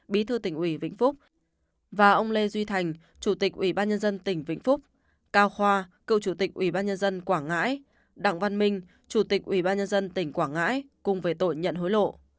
bí thư tỉnh ủy vĩnh phúc và ông lê duy thành chủ tịch ủy ban nhân dân tỉnh vĩnh phúc cao khoa cựu chủ tịch ủy ban nhân dân quảng ngãi đặng văn minh chủ tịch ủy ban nhân dân tỉnh quảng ngãi cùng về tội nhận hối lộ